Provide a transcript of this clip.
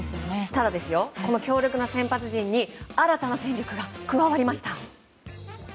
ただこの強力な先発陣に新たな戦力が加わりました。